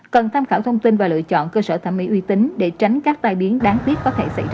cần tham khảo thông tin và lựa chọn cơ sở thẩm mỹ uy tín để tránh các tai biến đáng tiếc có thể xảy ra